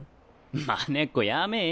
まねっこやめぇや。